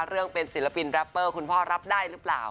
เรื่องเป็นศิลปินแรปเปอร์คุณพ่อรับได้หรือเปล่า